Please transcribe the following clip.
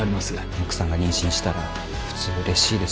奥さんが妊娠したら普通嬉しいですよね。